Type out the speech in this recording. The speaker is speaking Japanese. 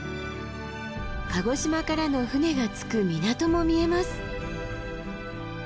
鹿児島からの船が着く港も見えます。